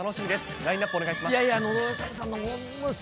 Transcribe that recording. ラインナップお願いします。